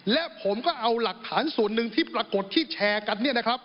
และผมก็เอาหลักฐานส่วนหนึ่งที่ปรากฏที่แชร์กัน